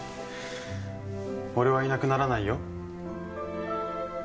俺はいなくならないよ